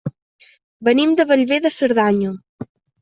Venim de Bellver de Cerdanya.